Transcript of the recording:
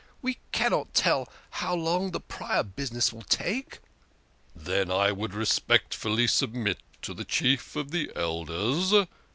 " We cannot tell how long the prior business will take." "Then I would respectfully submit to the Chief of the Elders."